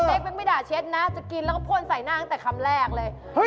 เออเบ๊กไม่ด่าเช็ตจะกินแล้วผ่วนใส่หน้างังแต่คำแรกเลย